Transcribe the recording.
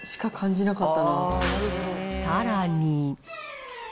さらに。